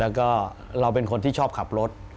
แล้วก็เราเป็นคนที่ชอบขับรถ